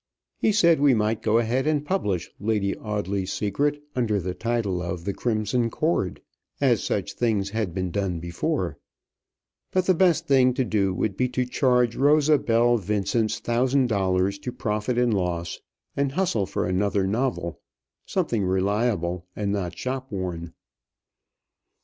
He said we might go ahead and publish "Lady Audley's Secret" under the title of "The Crimson Cord," as such things had been done before; but the best thing to do would be to charge Rosa Belle Vincent's thousand dollars to profit and loss, and hustle for another novel something reliable, and not shop worn.